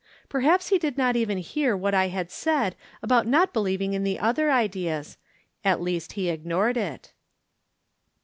Perhaps he did not even hear what I had said about not believing in the other ideas ; at least he ignored it.